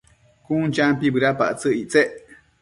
Cun champi bëdapactsëc ictsec